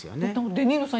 デ・ニーロさん